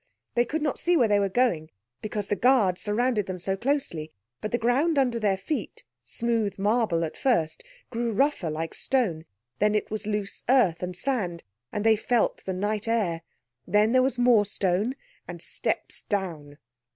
They could not see where they were going, because the guard surrounded them so closely, but the ground under their feet, smooth marble at first, grew rougher like stone, then it was loose earth and sand, and they felt the night air. Then there was more stone, and steps down.